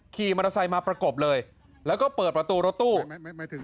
ขี่มอเตอร์ไซค์มาประกบเลยแล้วก็เปิดประตูรถตู้หมายถึง